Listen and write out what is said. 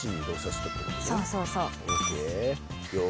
そうそうそう。